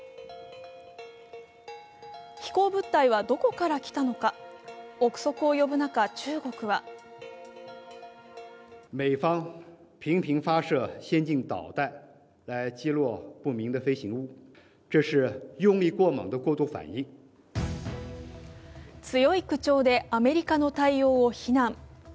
飛行物体はどこから来たのか臆測を呼ぶ中、中国は強い口調でアメリカの対応を非難。